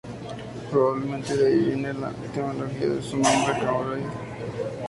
Probablemente de ahí viene la etimología de su nombre Cam-Bridge o Puente-Cam.